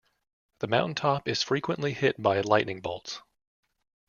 The mountain top is frequently hit by lightning bolts.